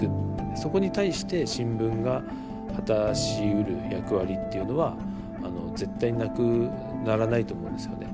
そこに対して新聞が果たしうる役割っていうのは絶対なくならないと思うんですよね。